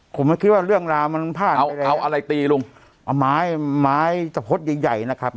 คุณมากร่วมมั่นภาพเอาอะไรตรีลุงอ่ะไม้ไม้สะพดใหญ่นะครับ